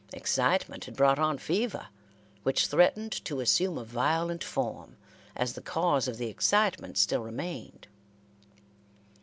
Excitement had brought on fever, which threatened to assume a violent form, as the cause of the excitement still remained.